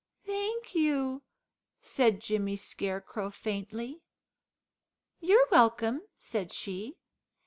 "Thank you," said Jimmy Scarecrow faintly. "You're welcome," said she.